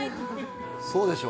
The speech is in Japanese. そうでしょ？